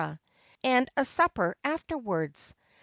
and a supper afterwards.